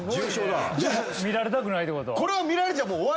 見られたくないってこと？